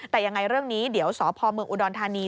แต่ยังไงเรื่องนี้เดี๋ยวสพเมืองอุดรธานี